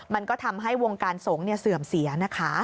มันก็ทำให้วงการสงฆ์เสื่อมเสียนะคะ